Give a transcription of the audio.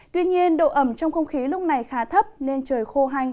tuy nhiên độ ẩm trong không khí lúc này khá thấp nên trời khô hanh